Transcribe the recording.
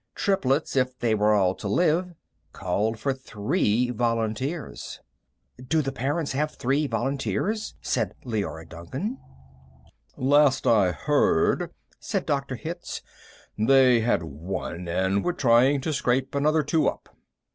Triplets, if they were all to live, called for three volunteers. "Do the parents have three volunteers?" said Leora Duncan. "Last I heard," said Dr. Hitz, "they had one, and were trying to scrape another two up."